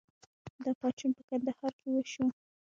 دا پاڅون په کندهار کې وشو.